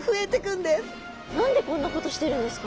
何でこんなことしてるんですか？